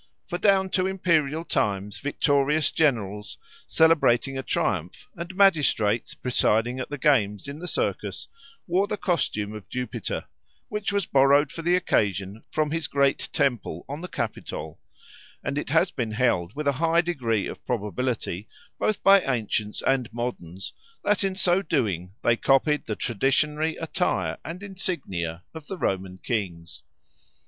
For down to imperial times victorious generals celebrating a triumph, and magistrates presiding at the games in the Circus, wore the costume of Jupiter, which was borrowed for the occasion from his great temple on the Capitol; and it has been held with a high degree of probability both by ancients and moderns that in so doing they copied the traditionary attire and insignia of the Roman kings.